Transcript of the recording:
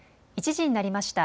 １時になりました。